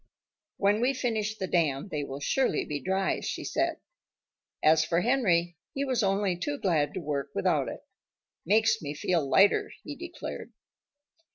"When we finish the dam they will surely be dry," she said. As for Henry, he was only too glad to work without it. "Makes me feel lighter," he declared.